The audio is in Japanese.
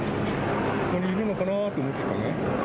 ここにいるのかなと思ってたのね。